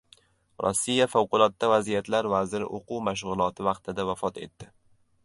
Rossiya Favqulodda vaziyatlar vaziri o‘quv mashg‘uloti vaqtida vafot etdi